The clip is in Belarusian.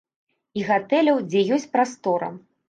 І гатэляў, дзе ёсць прастора.